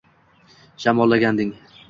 Shamollaganding.